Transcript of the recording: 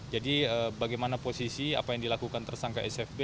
jadi bagaimana posisi apa yang dilakukan tersangka sfb